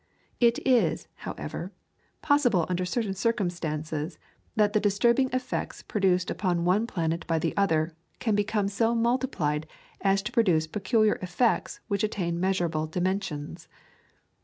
It is, however, possible under certain circumstances that the disturbing effects produced upon one planet by the other can become so multiplied as to produce peculiar effects which attain measurable dimensions.